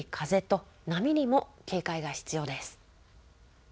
強い風と波にも警戒が必要です。